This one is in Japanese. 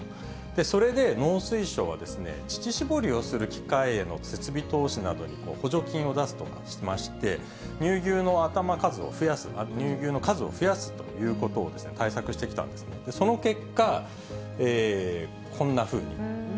それで農水省は、乳搾りをする機械への設備投資などに補助金を出すとかしまして、乳牛の頭数を増やす、乳牛の数を増やすということを対策してきたんですが、その結果、こんなふうに。